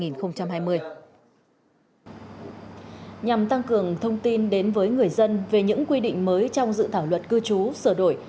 nhằm tăng cường thông tin đến với người dân về những quy định mới trong dự thảo luật cư trú sửa đổi